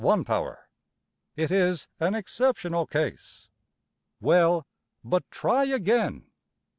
\] It is an exceptional case. Well; but try again.